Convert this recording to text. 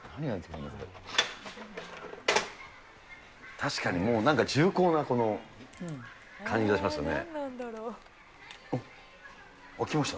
確かに、もうなんか重厚なこの感じがしますね。